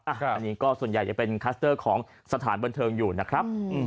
อันนี้ก็ส่วนใหญ่จะเป็นคลัสเตอร์ของสถานบันเทิงอยู่นะครับ